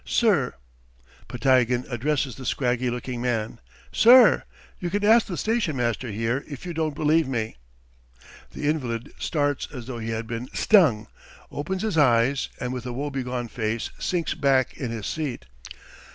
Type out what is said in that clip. Sir," Podtyagin addresses the scraggy looking man, "sir! you can ask the station master here if you don't believe me." The invalid starts as though he had been stung, opens his eyes, and with a woebegone face sinks back in his seat.